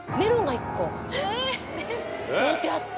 置いてあって。